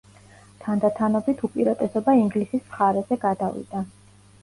თანდათანობით უპირატესობა ინგლისის მხარეზე გადავიდა.